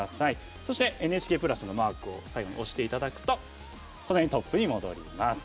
そしてＮＨＫプラスのマークを最後に押していただくとトップに戻ります。